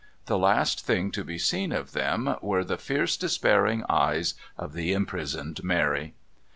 The last thing to be seen of them were the fierce despairing eyes of the imprisoned Mary.